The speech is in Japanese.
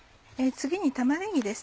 次に玉ねぎです。